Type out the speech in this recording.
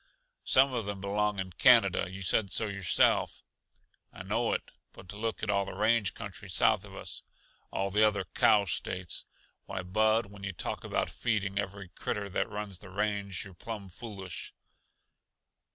"Some of them belong in Canada you said so yourself." "I know it, but look at all the country south of us: all the other cow States. Why, Bud, when yuh talk about feeding every critter that runs the range, you're plumb foolish."